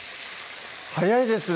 早いですね